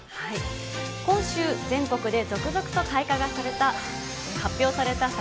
今週、全国で続々と開花が発表された桜。